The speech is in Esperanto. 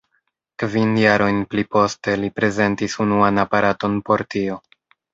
Kvin jarojn pli poste, li prezentis unuan aparaton por tio.